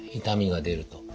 痛みが出ると。